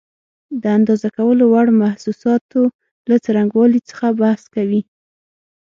د اندازه کولو وړ محسوساتو له څرنګوالي څخه بحث کوي.